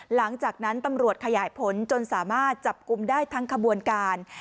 หลังจากนั้นตำรวจขยายผลจนสามารถจับกลุ่มได้ทั้งขบวนการ